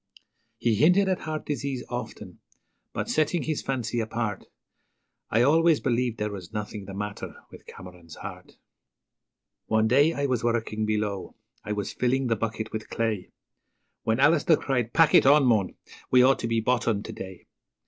He hinted at heart disease often, but, setting his fancy apart, I always believed there was nothing the matter with Cameron's heart. One day I was working below I was filling the bucket with clay, When Alister cried, 'Pack it on, mon! we ought to be bottomed to day.'